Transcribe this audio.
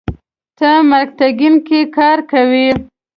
ته مارکیټینګ کې کار کوې.